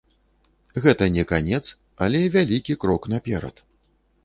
Гэта не канец, але вялікі крок наперад.